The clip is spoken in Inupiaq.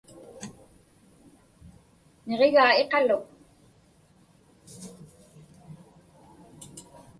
Niġigaa iqaluk.